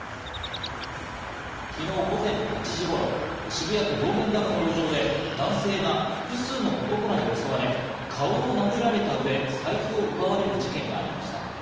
昨日午前８時頃、渋谷区道玄坂の路上で男性が複数の男らに襲われ、顔を殴られた上、財布を奪われる事件がありました。